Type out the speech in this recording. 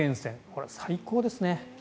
これ、最高ですね。